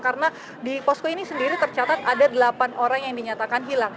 karena di posko ini sendiri tercatat ada delapan orang yang dinyatakan hilang